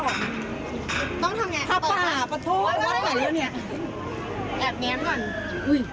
ต้องทำยังไงต่อหาประโทษว่าใกล้แล้วเนี่ยแอบแม้งก่อน